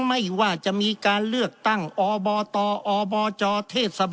ไม่ว่าจะมีการเลือกตั้งอบตอบจเทศบาล